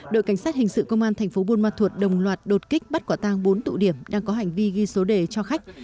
đội cảnh sát hình sự công an thành phố buôn ma thuột đồng loạt đột kích bắt quả tang bốn tụ điểm đang có hành vi ghi số đề cho khách